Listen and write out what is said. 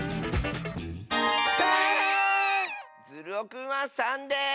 ３！ズルオくんは３です！